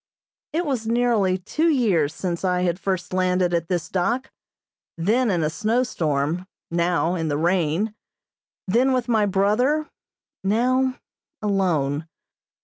It was nearly two years since I had first landed at this dock, then in a snow storm, now in the rain, then with my brother, now alone.